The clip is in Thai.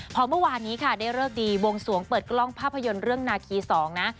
พอเมื่อวานนี้ค่ะได้เลิกดีวงสวงเปิดกล้องภาพยนตร์เรื่องนาคี๒นะ